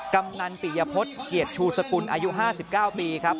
กำนันปิยพฤษเกียรติชูสกุลอายุ๕๙ปีครับ